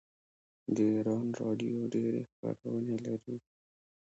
د ایران راډیو ډیرې خپرونې لري.